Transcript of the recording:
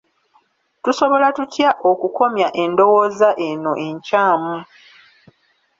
Tusobola tutya okukomya endowooza eno enkyamu?